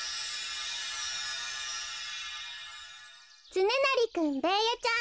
つねなりくんベーヤちゃん